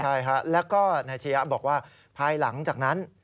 ใช่ฮะแล้วก็นายชะยะบอกว่าภายหลังจากนั้น